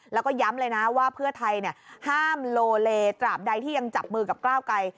แล้วก็ย้ำเลยนะว่าเพื่อไทยห้ามโลเลตราบใดที่ยังจับมือกับก้าวไกล